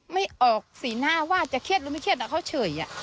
ไม่ออกสีหน้าว่าจะเครียดหรือไม่เครียดเขาเฉย